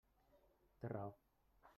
Té raó.